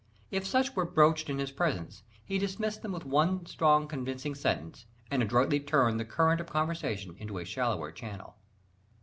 "If such were broached in his presence, he dismissed them with one strong convincing sentence, and adroitly turned the current of conversation into a shallower channel."